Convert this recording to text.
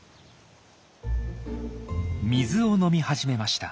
水を飲み始めました。